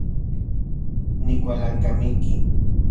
Nikualankamiki